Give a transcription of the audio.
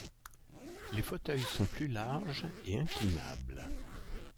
Les fauteuils sont plus larges et inclinables.